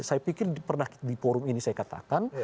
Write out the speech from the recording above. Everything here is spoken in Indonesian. saya pikir pernah di forum ini saya katakan